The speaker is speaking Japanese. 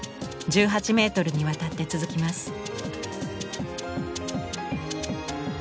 １８メートルにわたって続きます。